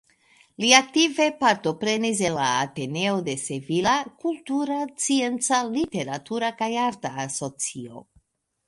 Li aktive partoprenis en la "Ateneo de Sevilla", kultura, scienca, literatura kaj arta asocio.